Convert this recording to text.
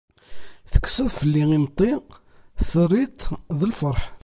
Tekkseḍ fell-i imeṭṭi, terriḍ-t d lferḥ.